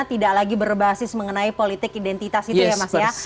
tidak lagi berbasis mengenai politik identitas itu ya mas ya